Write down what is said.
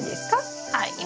はい。